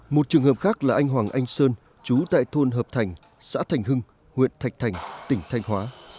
một trường hợp khác là anh hoàng anh sơn chú tại thôn hợp thành xã thành hưng huyện thạch thành tỉnh thanh hóa